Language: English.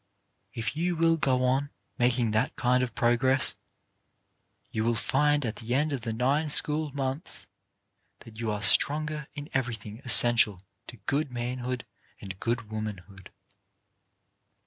If you will go on, making that kind of progress, you will find at the end of the nine school months that you are stronger in everything essential to good man hood and good womanhood.